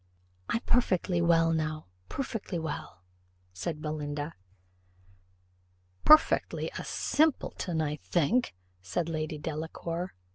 "I'm perfectly well, now perfectly well," said Belinda. "Perfectly a simpleton, I think," said Lady Delacour.